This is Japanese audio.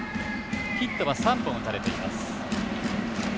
ヒットは３本、打たれています。